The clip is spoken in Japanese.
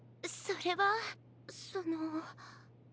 それはその。